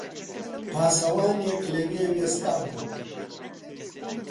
پاسەوانێک لەوێ وێستابوو